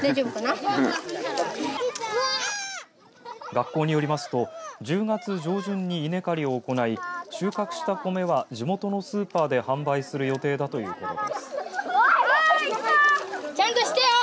学校によりますと１０月上旬に稲刈りを行い収穫した米は地元のスーパーで販売する予定だということです。